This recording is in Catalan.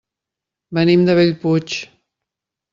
Venim de Bellpuig.